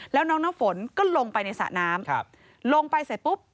แล้วน้องน้ำฝนก็ลงไปในสระน้ำลงไปเสร็จปุ๊บ